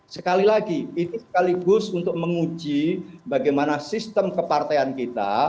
sekali lagi itu sekaligus untuk menguji bagaimana sistem kepartean kita